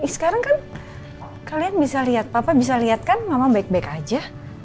sekarang kan kalian bisa lihat papa bisa lihat kan mama baik baik aja